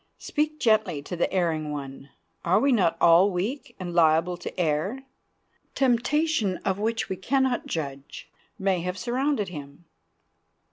Speak gently to the erring one; are we not all weak and liable to err? Temptation, of which we can not judge, may have surrounded him.